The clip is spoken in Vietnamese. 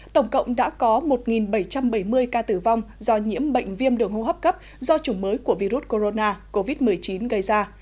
tổng cộng đã có một bảy trăm bảy mươi ca tử vong do nhiễm bệnh viêm đường hô hấp cấp do chủng mới của virus corona covid một mươi chín gây ra